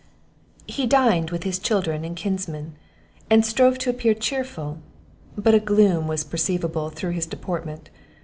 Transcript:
He dined with his children and kinsmen, and strove to appear cheerful; but a gloom was perceivable through his deportment.